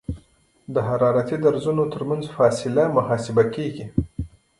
د حرارتي درزونو ترمنځ فاصله محاسبه کیږي